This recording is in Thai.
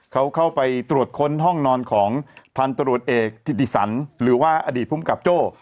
เขาเข้าไปตรวจค้นห้องนอนของพันตรวจเอกธิติสันหรือว่าอดีตภูมิกับโจ้